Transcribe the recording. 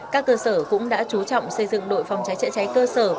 các cơ sở cũng đã chú trọng xây dựng đội phòng cháy chữa cháy cơ sở